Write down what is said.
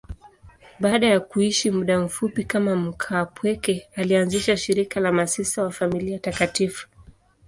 Baada ya kuishi muda mfupi kama mkaapweke, alianzisha shirika la Masista wa Familia Takatifu.